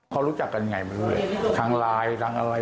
พ่อของครูอ๊อสนะครับ